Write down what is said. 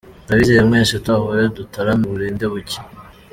Ndabizeye mwese, tuzahure dutarame burinde bucya.